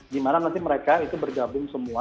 di mana nanti mereka itu bergabung semua